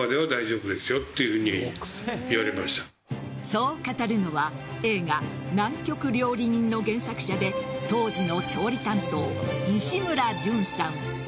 そう語るのは映画「南極料理人」の原作者で当時の調理担当・西村淳さん。